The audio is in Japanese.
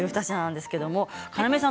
要さん